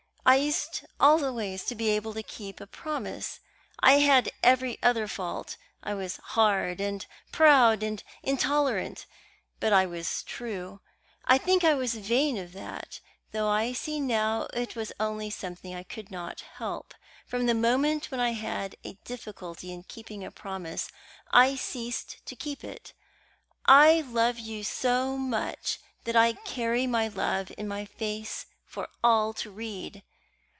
I used always to be able to keep a promise. I had every other fault, I was hard and proud and intolerant, but I was true. I think I was vain of that, though I see now it was only something I could not help; from the moment when I had a difficulty in keeping a promise, I ceased to keep it. I love you so much that I carry my love in my face for all to read.